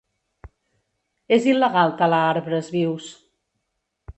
És il·legal talar arbres vius.